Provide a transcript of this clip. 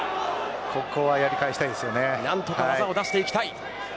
ここはやり返したいと何とか技を出していきたい。